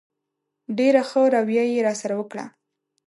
ډېره ښه رویه یې راسره وکړه.